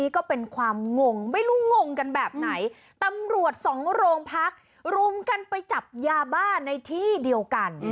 ก็เป็นความงงไม่รู้งงกันแบบไหนตำรวจสองโรงพักรุมกันไปจับยาบ้าในที่เดียวกัน